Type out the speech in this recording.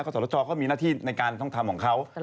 เพราะสนุกชอบก็มีหน้าที่ในการต้องทำของเขา